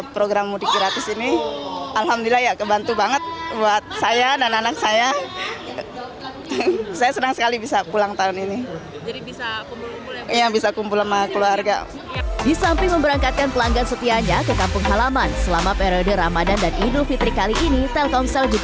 pihaknya turut berkomunikasi